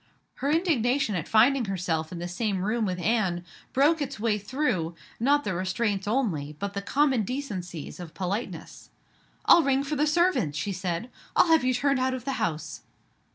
Her indignation at finding herself in the same room with Anne broke its way through, not the restraints only, but the common decencies of politeness. "I'll ring for the servants!" she said. "I'll have you turned out of the house."